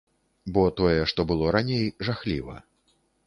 Бо тое, што было раней, жахліва.